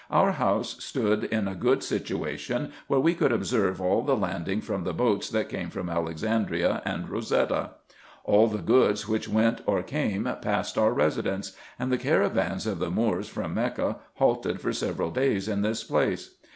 Our house stood in a good situation, where we could observe all the landing from the boats that came from Alex andria and Kosetta. All the goods which went or came passed our residence ; and the caravans of the Moors from Mecca halted for several days in this place.